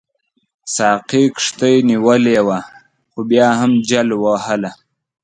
ساقي کښتۍ نیولې وه خو بیا هم جل وهله.